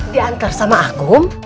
dianter sama akum